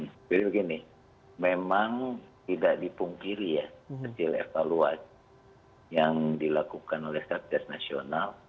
jadi begini memang tidak dipungkiri ya kecil evaluat yang dilakukan oleh satya nasional